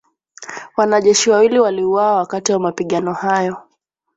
Wanajeshi wawili waliuawa wakati wa mapigano hayo